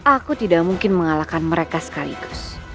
aku tidak mungkin mengalahkan mereka sekaligus